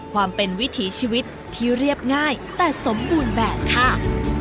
ความเป็นวิถีชีวิตที่เรียบง่ายแต่สมบูรณ์แบบค่ะ